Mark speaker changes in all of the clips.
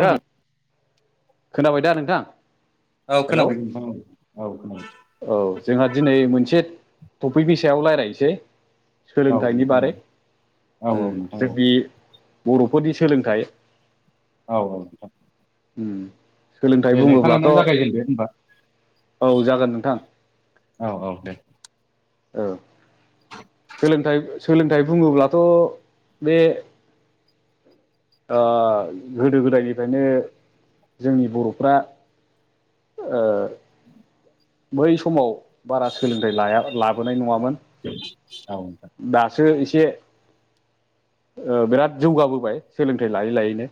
Speaker 1: नोंथां खोनाबाय दा नोंथां? हेलौ
Speaker 2: खोनाबाय नोंथां औ औ खोनाबाय
Speaker 1: औ जोंहा दिनै मोनसे टफिकनि सायाव रायलायनोसै।
Speaker 2: औ
Speaker 1: सोलोंथाइनि
Speaker 2: नोंथां
Speaker 1: बारै
Speaker 2: औ
Speaker 1: उम
Speaker 2: औ नोंथां औ
Speaker 1: जोंनि बर'फोरनि सोलोंथाइ
Speaker 2: औ औ
Speaker 1: उम सोलोंथाइ
Speaker 2: दे नोंथाङानो
Speaker 1: बुङोब्लाथ'
Speaker 2: जागायजेनदो होनबा
Speaker 1: औ जागोन नोंथां।
Speaker 2: औ औ दे।
Speaker 1: ओं सोलोंथाइ सोलोंथाइ बुङोब्लाथ' बे ओ गोदो गोदायनिफ्रायनो जोंनि बर'फ्रा ओ
Speaker 2: [inaudible]
Speaker 1: बै समाव बारा सोलोंथाइ लाया लाबोनाय नङामोन
Speaker 2: औ नोंथां
Speaker 1: दासो इस से बिराद जौगाबोबाय सोलोंथाइ लायै लायैनो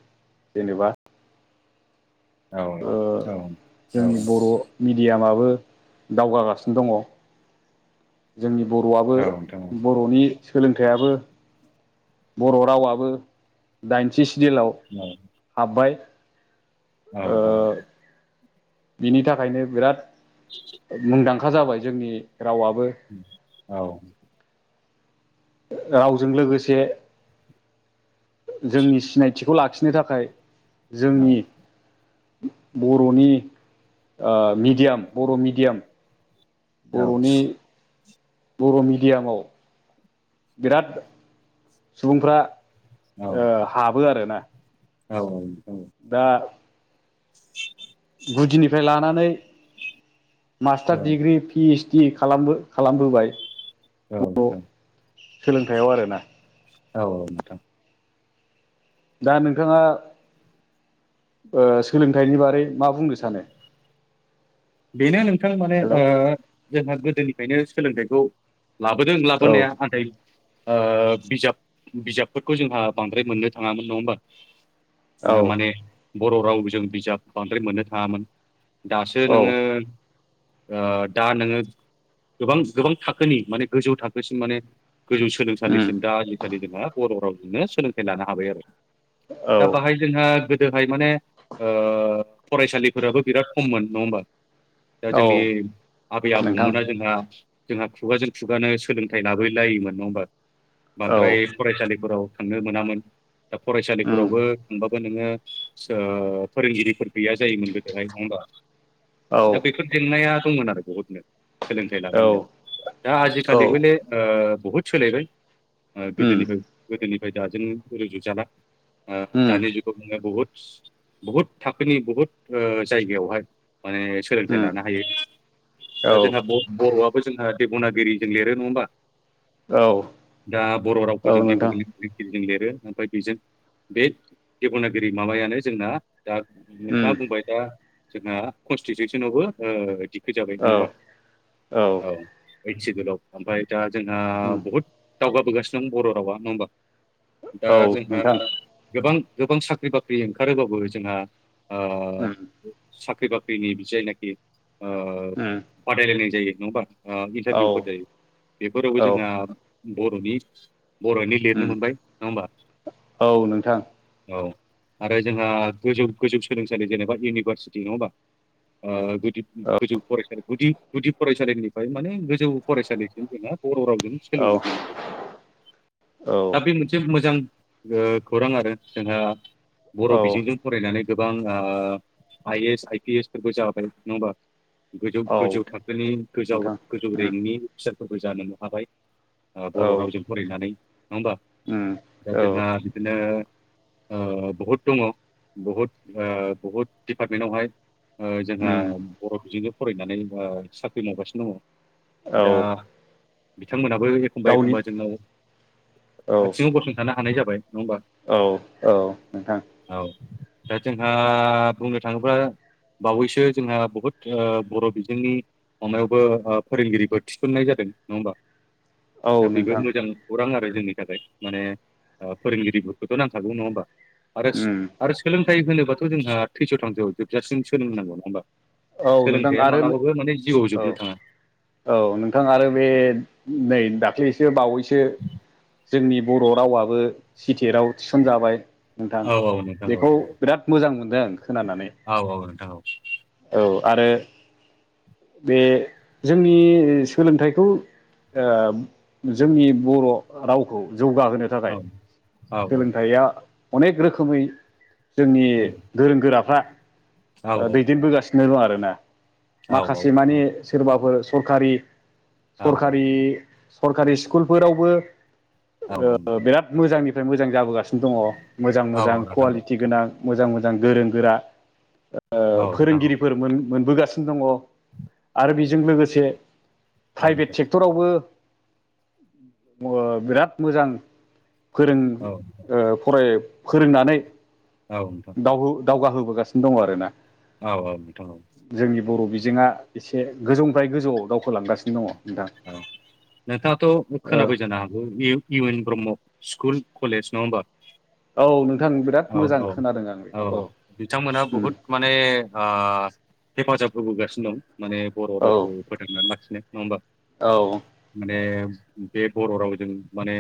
Speaker 1: जेनेबा
Speaker 2: औ औ
Speaker 1: ओ
Speaker 2: औ नोंथां औ
Speaker 1: जोंनि बर' मिडियामा बो दावगागासिनो दङ। जोंनि बर'वाबो
Speaker 2: औ
Speaker 1: बर'नि सोलोंथाइयाबो बर' रावाबो दाइनथि सिदिलाव हाबबाय।
Speaker 2: औ
Speaker 1: ओ
Speaker 2: औ
Speaker 1: बिनि थाखायनो बिराद मुंदांखा जाबाय जोंनि रावाबो
Speaker 2: औ
Speaker 1: रावजों लोगोसे जोंनि सिनायथिखौ लाखिनो थाखाय जोंनि बर'नि ओ मिडियाम बर' मिडियाम बर'नि बर' मिडियामाव बिराद सुबुंफ्रा
Speaker 2: औ
Speaker 1: ओ
Speaker 2: औ
Speaker 1: हाबो आरोना।
Speaker 2: औ औ नोंथां
Speaker 1: दा नानै मास्टार डिग्रि पि एइसडि खालामो खालामबोबाय।
Speaker 2: औ औ
Speaker 1: सोलोंथायाव आरोना
Speaker 2: औ औ नोंथां
Speaker 1: दा नोंथाङा ओ सोलोंथाइनि बारै मा बुंनो सानो?
Speaker 2: बेनो नोंथां माने
Speaker 1: हेल'
Speaker 2: ओ जोंहा गोदोनिफ्रायनो सोलोंथाइखौ लाबोदों
Speaker 1: औ
Speaker 2: लाबोनाया आदै बिजाब बिजाबफोरखौ जोंहा बांद्राय मोननो थाङामोन नङा होमबा।
Speaker 1: औ
Speaker 2: दा माने बर' रावजों बिजाब बांद्राय मोननो थाङामोन दा
Speaker 1: औ
Speaker 2: नोङो ओ दा नोङो गोबां गोबां थाखोनि माने गोजौ थाखोसिम माने गोजौ
Speaker 1: उम
Speaker 2: सोलोंसालिसिम दा आजिखालि जोंहा बर' रावजोंनो सोलोंथाइ लानो हाबाय आरो।
Speaker 1: औ
Speaker 2: दा बाहाय जोंहा गोद हाय माने फरायसालिफोराबो बिराद खममोन नङा होमबा। दा
Speaker 1: औ
Speaker 2: जोंनि आबै
Speaker 1: नोंथां
Speaker 2: आबौमोना जोंहा जोंहा खुगाजों- खुगानो सोलोंथाइ लाबो लायोमोन नङा होमबा।
Speaker 1: औ
Speaker 2: बांद्राय फरायसालिफोराव थांनो मोनामोन। दा
Speaker 1: उम
Speaker 2: फरायसालिफोरावबो नोङो ओ फोरोंगिरिफोर गैया जायोमोन गोदोहाय नङा होमबा।
Speaker 1: औ
Speaker 2: दा बेफोर जेंनाया दंमोन आरो बहुतनो। सोलोंथाइ लानाय
Speaker 1: औ
Speaker 2: होनाव, दा
Speaker 1: औ
Speaker 2: आजिखालिबोले बहुद सोलायबाय। ओ
Speaker 1: उम
Speaker 2: गोदोनिफ्राय गोदोनिफ्राय दाजों रुजुजाला।
Speaker 1: उम
Speaker 2: दानि जुगाव बुंङो बहुत बहुत थाखोनि बहुत ओ जायगायावहाय माने सोलोंथाइ
Speaker 1: उम
Speaker 2: लानो हायो।
Speaker 1: औ
Speaker 2: दा जोंहा बर'आ जोंहा देब'नागिरि जों लिरो नङा होमबा।
Speaker 1: औ
Speaker 2: दा बर' रावखौ
Speaker 1: औ
Speaker 2: जों
Speaker 1: नोंथां
Speaker 2: देब'नागिरिजों लिरो ओमफ्राय बेजों बे देब'नागिरि माबायानो जोंना दा नोंथाङा
Speaker 1: उम
Speaker 2: बुंबाय दा जोंहा कनस्टिटिउसनावबो ओ फैजाबाय नङा
Speaker 1: औ
Speaker 2: होमबा? औ ओइद सिदुलाव। ओमफ्राय दा जोंहा
Speaker 1: उम
Speaker 2: बहुद दावगाबोगासिनो दं बर' रावा नङा होमबा। दा
Speaker 1: औ
Speaker 2: जोंहा
Speaker 1: नोंथां
Speaker 2: गोबां गोबां साख्रि-बाख्रि ओंखारोबाबो जोंहा ओ
Speaker 1: उम
Speaker 2: साख्रि बाक्रि साख्रिनि जायनाखि ओ
Speaker 1: उम
Speaker 2: बादायलायनाय जायो नङा होनबा
Speaker 1: औ
Speaker 2: इन्टारभिउफोर जायो बेफोरावबो
Speaker 1: औ
Speaker 2: जोंहा बर'नि बर'नि लिरनो
Speaker 1: उम
Speaker 2: मोनबाय नङा होमबा।
Speaker 1: औ नोंथां।
Speaker 2: औ आरो जोंहा गोजौ गोजौ सोलोंसालि जेनेबा इउनिभारसिटि नङा होमबा ओ गुदि गोजौ फरायसालि गुदि गुदि फरायसालिनिफ्राय माने गोजौ फरायसालिसिम जोंना बर' रावजों
Speaker 1: औ
Speaker 2: सोलोंजोबनो मोनबाय।
Speaker 1: [inaudible] औ
Speaker 2: दा बे मोनसे मोजां ओ खौरां आरो जोंहा बर' बिजोंजों फरायनानै गोबां ओ I S, I P S फोरबो जाबाय नङा होमबा।
Speaker 1: औ
Speaker 2: गोजौ-गोजौ थाखोनि
Speaker 1: नोंथां
Speaker 2: गोजौ-गोजौ
Speaker 1: उम
Speaker 2: रेंकनि अफिसारफोरबो जानो हाबाय। बर'
Speaker 1: औ
Speaker 2: रावजों फरायनानै नङा होमबा
Speaker 1: उम
Speaker 2: दा
Speaker 1: औ
Speaker 2: जोंहा बिदिनो ओ बहुद दङ बहुद ओ बहुद दिडपार्टमेन्टावहाय ओ जोंहा
Speaker 1: उम
Speaker 2: बर' बिजों‌जों फरायनानै साख्रि मावगासिनो दङ।
Speaker 1: औ
Speaker 2: दा बिथांमोनहाबो
Speaker 1: गावनि
Speaker 2: एखमबा-एखमबा जोंना
Speaker 1: औ औ
Speaker 2: आथिङाव गसंथानो हानाय जाबाय नङा होमबा।
Speaker 1: औ नोंथां
Speaker 2: औ। दा जोंहा बुंनो थाङोब्ला बावैसो जोंहा बहुद बर' बिजोंनि माबायावबो फोरोंगिरिफोर थिसननाय जादों। नङा होमबा
Speaker 1: औ
Speaker 2: दा बेबो
Speaker 1: नोंथां
Speaker 2: मोजां खौरां आरो जोंनि थाखाय। माने ओ फोरोंगिरिफोरखौथ' नांखागौ नङा होमबा आरो
Speaker 1: उम
Speaker 2: आरो सोलोंथाइ होनोबाथ' जोंहा थैस'-थांस जोबजासिम सोलोंनांगौ नङा होमबा
Speaker 1: औ नोंथां
Speaker 2: सोलोंथाइया
Speaker 1: आरो
Speaker 2: मालाबाबो माने जिउआव
Speaker 1: औ
Speaker 2: जोबनो थाङा।
Speaker 1: औ नोंथां आरो बे नै दाख्लैसो बावैसो जोंनि बर' रावाबो सि थेट‌आव थिसनजाबाय नोंथां।
Speaker 2: औ औ नोंथां औ
Speaker 1: बेखौ
Speaker 2: औ
Speaker 1: बिराद मोजां मोन
Speaker 2: औ औ नोंथां। औ
Speaker 1: औ आरो बे जोंनि सोलोंथाइखौ ओ जोंनि बर' रावखौ जौगाहोनो
Speaker 2: औ
Speaker 1: थाखाय
Speaker 2: औ औ
Speaker 1: सोलोंथाइया अनेक रोखोमै जोंनि
Speaker 2: उम
Speaker 1: गोरों गोराफ्रा
Speaker 2: औ
Speaker 1: ओ
Speaker 2: नोंथां
Speaker 1: दैदेनबोगासिनो दं आरोना।
Speaker 2: औ औ
Speaker 1: माखासे माने
Speaker 2: नोंथां
Speaker 1: सोरबाफोर सरखारि
Speaker 2: औ
Speaker 1: सरखारि सरखारि स्कुलफोरावबो ओ
Speaker 2: नोंथां
Speaker 1: बिराद मोजांनिफ्राय मोजां जाबोगासिनो दङ। मोजां
Speaker 2: औ
Speaker 1: मोजां
Speaker 2: नोंथां औ नोंथां औ नोंथां
Speaker 1: कुवालिटि गोनां मोजां मोजां गोरों गोरा ओ
Speaker 2: औ नोंथां
Speaker 1: फोरोंगिरिफोर मोन मोनबोगासिनो दङ दा बेजों लोगोसे प्राइभेट सेक्टरावबो अ बिराद मोजां फोरों
Speaker 2: औ
Speaker 1: ओ फराय फोरोंनानै
Speaker 2: औ
Speaker 1: दाव
Speaker 2: नोंथां
Speaker 1: दावगाहोबोगा दङ आर ना।
Speaker 2: औ औ नोंथां औ
Speaker 1: बिथिङा एसे गोजौनिफ्राय गोजौआव दावखोलांगासिनो दङ। नोंथां
Speaker 2: औ। नोंथाङाथ'
Speaker 1: औ
Speaker 2: खोनाबाय जानो हागौ U N Brahma school college नङा होनबा।
Speaker 1: औ नोंथां बिराद
Speaker 2: औ
Speaker 1: मोजां
Speaker 2: औ
Speaker 1: खोनादों आं
Speaker 2: औ
Speaker 1: बेखौ
Speaker 2: बिथांमोना
Speaker 1: उम
Speaker 2: बहुद माने ओ हेफाजाब होबोगासिनो दं माने बर'
Speaker 1: औ
Speaker 2: रावखौ फोथांनानै लाखिनो नङा होमबा।
Speaker 1: औ
Speaker 2: जे बे बर' रावजों माने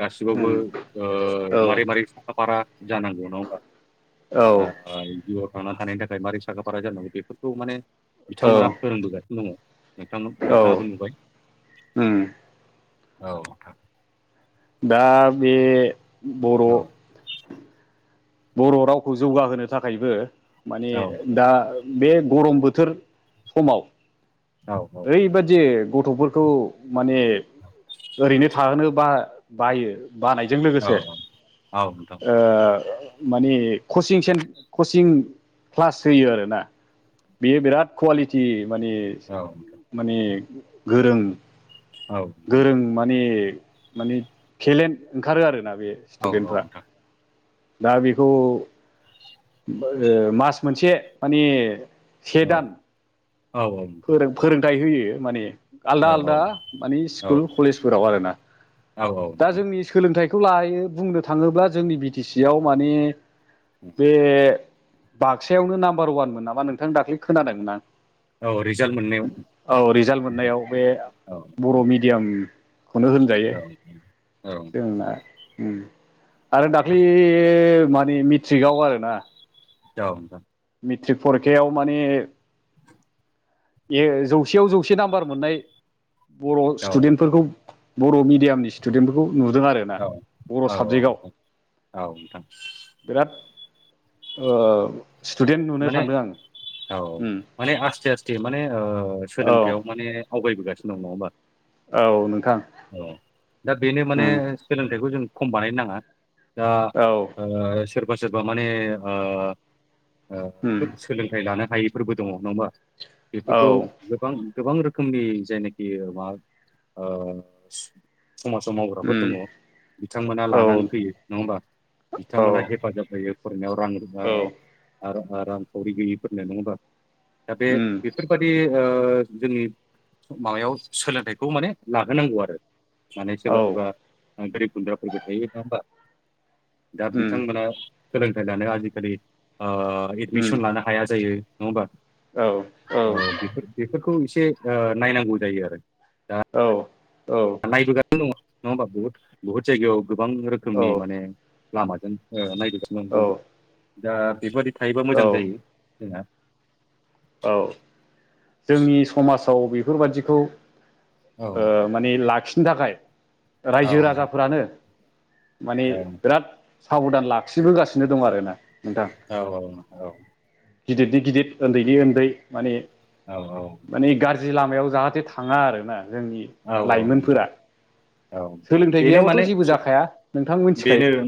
Speaker 2: गासिबावबो
Speaker 1: उम
Speaker 2: ओ
Speaker 1: औ
Speaker 2: मारै मारै साखा फारा जानांगौ नङा होमबा
Speaker 1: औ
Speaker 2: ओ थांना थानायनि थाखाय मारै साखाफारा जानांगौ बेफोरखौ माने
Speaker 1: औ
Speaker 2: बिथांमोना फोरोंबोगासिनो दङ। नोंथां नोंथाङाबो नुबाय
Speaker 1: ओम
Speaker 2: औ
Speaker 1: दा बे बर'
Speaker 2: औ
Speaker 1: बर' रावखौ जौगाहोनो थाखायबो माने
Speaker 2: औ
Speaker 1: दा बे गरम बोथोर समाव
Speaker 2: औ
Speaker 1: ओरैबदि गथ'फोरखौ माने ओरैनो थाहोनो बा बायो बानायजों
Speaker 2: औ
Speaker 1: लोगोसे
Speaker 2: औ नोंथां
Speaker 1: ओ माने कचिं सेन कचिं क्लास होयो आरोना। बेयो बिराद कुवालिटि माने
Speaker 2: औ नोंथां
Speaker 1: माने गोरों
Speaker 2: औ नोंथां
Speaker 1: गोरों माने माने टेलेन्ट ओंखारो आरोना बे
Speaker 2: औ औ औ
Speaker 1: स्टुदेन्टफ्रा।
Speaker 2: नोंथां
Speaker 1: दा बेखौ मा मास मोनसे माने से
Speaker 2: औ
Speaker 1: दान
Speaker 2: औ
Speaker 1: फोरों फोरोंथायाइ होयो माने आलदा आलदा मानि स्कुल कलेजफोराव आरोना
Speaker 2: औ औ
Speaker 1: दा
Speaker 2: नोंथां
Speaker 1: जोंनि सोलोंथाइ लायो बुंनो थाङोब्ला जोंनि बि टि सि आव माने बे बाक्सायावनो नाम्बार ववानमोन नामा नोंथां दाख्लै खोनादोंमोन आं
Speaker 2: औ रिजाल्ट मोननायाव
Speaker 1: औ रिजाल्ट
Speaker 2: नोंथां
Speaker 1: मोननायाव बे
Speaker 2: औ
Speaker 1: बर' मिडियाम खौनो होनजायो
Speaker 2: औ
Speaker 1: जोंना ओम आरो दाख्ललि मानि मेट्रिकआव आरोना
Speaker 2: [unintelligible]
Speaker 1: मेट्रिक परिखायाव मानि ए जौसेयाव जौसे नाम्बार मोननाय बर'
Speaker 2: औ
Speaker 1: स्टुडेन्टफोरखौ बर' मिडियामनि स्टुडेन्टफोरखौ नुदों आरोना
Speaker 2: औ
Speaker 1: बर'
Speaker 2: औ
Speaker 1: साबजेक्टआव
Speaker 2: औ नोंथां
Speaker 1: बिराद ओ स्टुडेन्ट नुनो
Speaker 2: माने
Speaker 1: थांदों आं
Speaker 2: औ
Speaker 1: उम
Speaker 2: माने आसते आसते माने ओ
Speaker 1: औ
Speaker 2: सोलोंथायाव माने आवगायबोगासिनो दं नङा होमबा
Speaker 1: औ नोंथां
Speaker 2: अ दा बेनो माने
Speaker 1: उम
Speaker 2: सोलोंथाइखौ जों खम बानायनो नाङा दा
Speaker 1: औ
Speaker 2: सोरबा सोरबा माने ओ
Speaker 1: उम
Speaker 2: सोलोंथाइ लानो हायैफोरबो दङ नङा होमबा बेफोरखौ
Speaker 1: औ
Speaker 2: गोबां गोबां रोखोमनि जायनाखि मा ओ समाजाव मावग्राफोर दङ
Speaker 1: उम
Speaker 2: बिथांमोना लानानै
Speaker 1: औ
Speaker 2: फैयो नङा होमबा।
Speaker 1: औ
Speaker 2: बिथांमोना हेफाजाब होयो। फरायनायाव रां
Speaker 1: औ
Speaker 2: रुफा रांखावरि गैयिफोरनो नङा होमबा? दा बे
Speaker 1: उम
Speaker 2: बेफोरबायदि ओ जोंनि माबायाव सोलोंथाइखौ माने लाहोनांगौ आरो‌। माने सोरबा
Speaker 1: औ
Speaker 2: सोरबा गोरिब गुन्द्राफोरबो थायो नङा होमबा? दा
Speaker 1: उम
Speaker 2: बिथांमोना सोलोंथाइ लानो आजिखालि ओ
Speaker 1: उम
Speaker 2: एडमिसन लानो हाया जायो। नङा ओमबा औ बे बेफोरखौ एसे ओ नायनांगौ जायो आरो।
Speaker 1: औ औ
Speaker 2: नङा नायबोगासिनो होमबा बहुत बहुत जायगायाव गोबां
Speaker 1: औ
Speaker 2: रोखोमनि माने लामाजों ओ नाय
Speaker 1: औ
Speaker 2: दा बेफोरबायदि थायोबा मोजां जायो जोंहा।
Speaker 1: औ जोंनि समाजाव बेफोरबादिखौ।
Speaker 2: औ
Speaker 1: ओ माने लाखिनो थाखाय
Speaker 2: औ
Speaker 1: रायजो राजाफ्रानो। माने
Speaker 2: औ
Speaker 1: बिराद साबधान लाखिबोगासिनो दं आरोना।
Speaker 2: औ औ औ
Speaker 1: गिदिर नि गिदिर उन्दैनि उन्दै माने।
Speaker 2: औ औ
Speaker 1: माने गाज्रि लामायाव जाहाथे थाङा आरोना जोंनि
Speaker 2: औ औ नोंथां
Speaker 1: लाइमोनफोरा।
Speaker 2: औ
Speaker 1: सोलोंथाइ
Speaker 2: बेनो
Speaker 1: गैयाबाथ'
Speaker 2: माने
Speaker 1: जेबो जाखाया नोंथां मिथिखायो।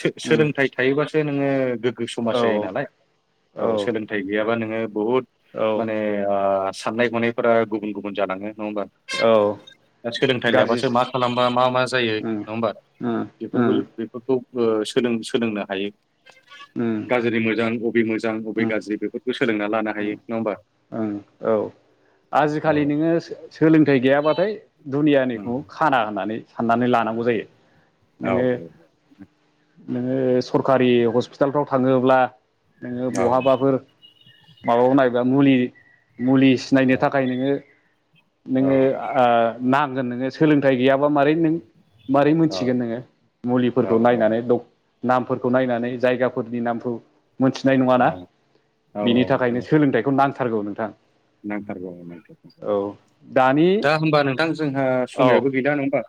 Speaker 2: सो
Speaker 1: उम
Speaker 2: सोलोंथाइ थायोबासो नोङो गो ग्गो समाज जायो
Speaker 1: औ
Speaker 2: नालाय औ सोलोंथाइ गैयाबा नोङो बुहुद
Speaker 1: औ
Speaker 2: माने ओ साननाय हनायफोरा गुबुन गुबुन जालाङो नङा होमबा?
Speaker 1: औ
Speaker 2: दा सोलोंथाइ
Speaker 1: गाज्रि
Speaker 2: लाबासो मा खालामबा मा मा जायो
Speaker 1: उम
Speaker 2: नङा होमबा
Speaker 1: उम
Speaker 2: बेफोरखौ
Speaker 1: उम
Speaker 2: बेफोरखौ ओ सोलों सोलोंनो हायो
Speaker 1: उम
Speaker 2: गाज्रि मोजां बबे मोजां अबे गाज्रि बेफोरखौ सोलोंना लानो हायो। नङा होमबा
Speaker 1: ओं औ
Speaker 2: औ
Speaker 1: आजिखालि नोङो सोलोंथाइ गैयाबाथाय
Speaker 2: उम
Speaker 1: दुनियानिखौ खाना होननानै साननानै लानांगौ जायो।
Speaker 2: औ औ
Speaker 1: नोङो नोङो सरखारि हस्पिटालफ्राव थाङोब्ला नोङो
Speaker 2: औ औ
Speaker 1: बहाबाफोर - माबाबो नायबा मुलि मुलि सिनायनो थाखाय नोङो नोङो ओ नांगोन नोङो सोलोंथाइ गैयाबा मारै नों मारै मोनथिगोन नोङो
Speaker 2: औ
Speaker 1: मुलिफोरखौ नायनानै डक नामफोरखौ नायनानै जायगाफोरनि नामखौ। मोनथिनाय
Speaker 2: औ
Speaker 1: नङाना
Speaker 2: औ
Speaker 1: बिनि
Speaker 2: नोंथां
Speaker 1: थाखायनो सोलोंथाइखौ नांथारगौ नोंथां।
Speaker 2: नांथारगौ नांथारगौ।
Speaker 1: औ दानि
Speaker 2: दा होमबा नोंथां जोंहा
Speaker 1: औ
Speaker 2: समायाबो गैला नङा होमबा?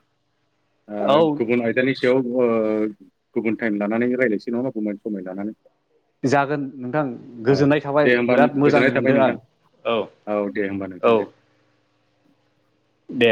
Speaker 1: औ
Speaker 2: ओ गुबुन आयदानि सायाव ओ गुबुन टाइम लानानै रायलायसै नङा होमबा गुमाय समाय लानानै
Speaker 1: जागोन नोंथां
Speaker 2: औ
Speaker 1: गोजोननाय थाबाय
Speaker 2: दे होमबा
Speaker 1: बिराद मोजां
Speaker 2: गोजोननाय थाबाय
Speaker 1: मोनदों आं।
Speaker 2: नोंथां औ दे होमबा
Speaker 1: औ
Speaker 2: नोंथां दे।
Speaker 1: दे